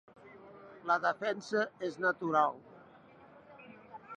La defensa és natural.